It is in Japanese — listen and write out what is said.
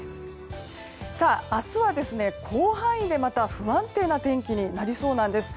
明日は広範囲でまた不安定な天気になりそうなんです。